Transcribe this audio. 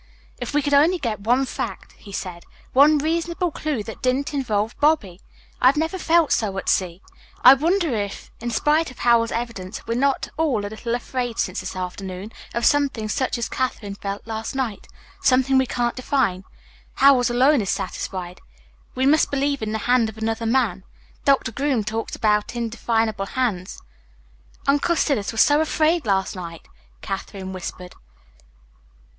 "If we could only get one fact," he said, "one reasonable clue that didn't involve Bobby! I've never felt so at sea. I wonder if, in spite of Howells's evidence, we're not all a little afraid since this afternoon, of something such as Katherine felt last night something we can't define. Howells alone is satisfied. We must believe in the hand of another man. Doctor Groom talks about indefinable hands." "Uncle Silas was so afraid last night!" Katherine whispered.